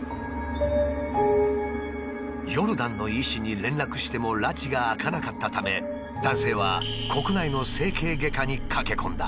ヨルダンの医師に連絡してもらちが明かなかったため男性は国内の整形外科に駆け込んだ。